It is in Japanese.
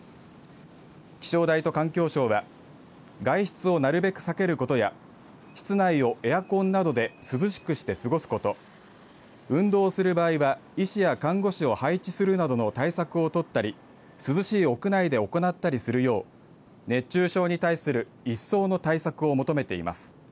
気象台と環境省は外出をなるべく避けることや室内をエアコンなどで涼しくして過ごすこと運動する場合は医師や看護師を配置するなどの対策を取ったり涼しい屋内で行ったりするよう熱中症に対する一層の対策を求めています。